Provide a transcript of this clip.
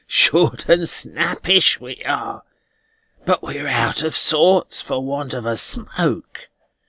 "Short and snappish we are! But we're out of sorts for want of a smoke.